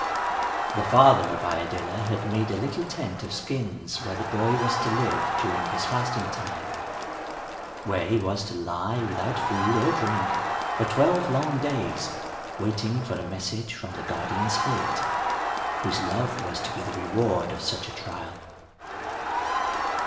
The father of Iadilla had made a little tent of skins where the boy was to live during his fasting time; where he was to lie without food or drink for twelve long days, waiting for a message from the Guardian Spirit whose love was to be the reward of such a trial.